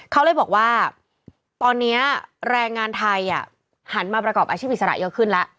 เขาเลยบอกว่าตอนนี้แรงงานไทยหันมาประกอบอาชีพอิสระเยอะขึ้นแล้ว